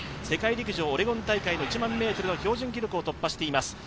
世界陸上オレゴン大会の１００００ｍの標準記録を突破しています。